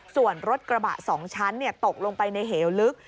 ส่วนรถกระบะ๒ชั้นตกลงไปในเหวลึก